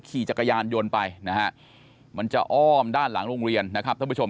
ขี่จักรยานยนต์ไปนะฮะมันจะอ้อมด้านหลังโรงเรียนนะครับท่านผู้ชม